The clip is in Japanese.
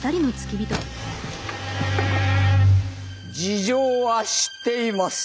事情は知っています。